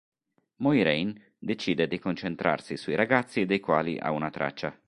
Moiraine decide di concentrarsi sui ragazzi dei quali ha una traccia.